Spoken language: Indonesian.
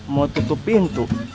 mau tutup pintu